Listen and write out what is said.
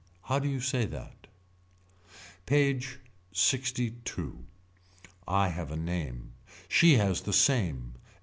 How do you say that. PAGE LXII. I have a name. She has the same.